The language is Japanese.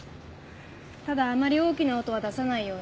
ただあまり大きな音は出さないように。